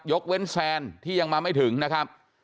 ยกเว้นแซนที่ยังมาไม่ถึงนะครับ